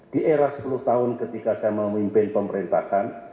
di era sepuluh tahun ketika saya memimpin pemerintahan